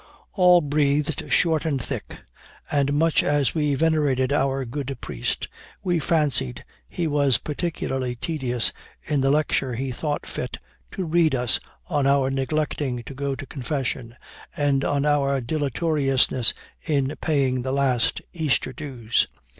All breathed short and thick; and much as we venerated our good priest, we fancied he was particularly tedious in the lecture he thought fit to read us on our neglecting to go to confession, and on our dilatoriness in paying the last Easter dues.